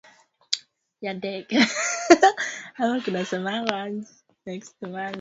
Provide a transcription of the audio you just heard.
ya ukweli kwamba kuingizwa kwa mtiririko mpya